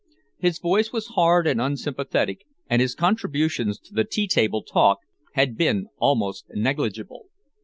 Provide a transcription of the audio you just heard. His voice was hard and unsympathetic, and his contributions to the tea table talk had been almost negligible.